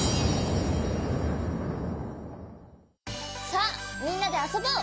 さあみんなであそぼう！